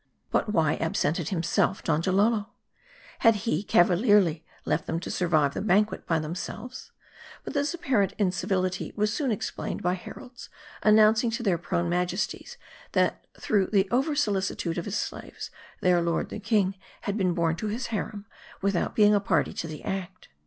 But why absented himself, Donjalolo ? Had he cavalier ly left them to survive the banquet by themselves ? But this apparent incivility was soon explained by heralds, an nouncing to their prone majesties, that through the over solicitude of his. slaves, their lord the king had been borne to his harem, without being a party to the act.